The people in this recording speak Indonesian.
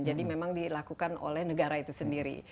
jadi memang dilakukan oleh negara itu sendiri